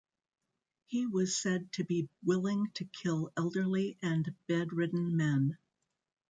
He was said to be willing to kill elderly and bedridden men.